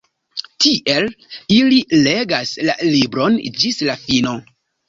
Tiel, ili legas la libron ĝis la fino.